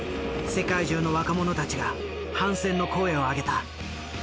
世界中の若者たちが反戦の声を上げた。